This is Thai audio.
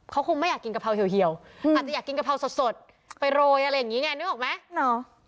เขาคงไม่อยากกินกะเพราเหี่ยวอาจจะอยากกินกะเพราสดไปโรยอะไรอย่างนี้ไงนึกออกไหม